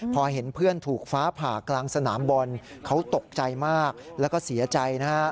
พอเห็นเพื่อนถูกฟ้าผ่ากลางสนามบอลเขาตกใจมากแล้วก็เสียใจนะฮะ